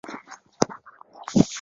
拿破仑也曾经在这里学习过。